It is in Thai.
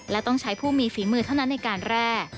และต้องใช้ผู้มีฝีมือเท่านั้นในการแร่